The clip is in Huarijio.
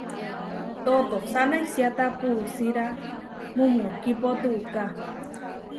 Totosána isiáta pusíra mumukipo tuká.